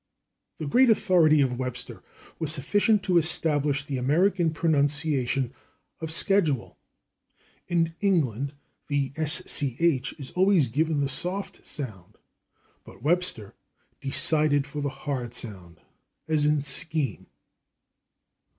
The great authority of Webster was sufficient to establish the American pronunciation of /schedule/. In England the /sch/ is always given the soft sound, but Webster decided for the hard sound, as in /scheme